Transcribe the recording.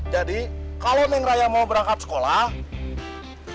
jadi kalo neng raya mau berangkat sekolah